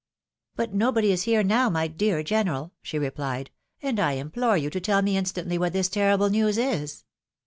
" But nobody is here now, my dear general !" she replied ; "and I implore you to tell me instantly what this terrible news is."